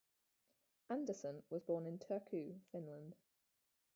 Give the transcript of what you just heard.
Andersson was born in Turku, Finland.